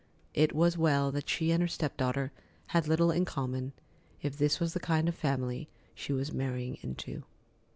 It was well that she and her step daughter had little in common, if this was the kind of family she was marrying into.